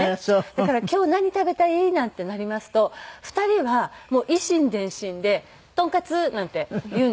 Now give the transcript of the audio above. だから今日何食べたい？なんてなりますと２人は以心伝心で「トンカツ」なんて言うんです。